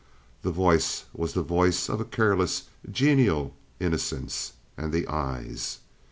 The voice was the voice of careless, genial innocence—and the eyes.